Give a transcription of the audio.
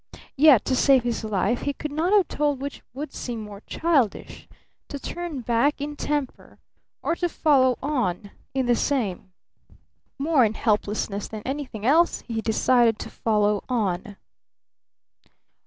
Yet to save his life he could not have told which would seem more childish to turn back in temper, or to follow on in the same. More in helplessness than anything else he decided to follow on.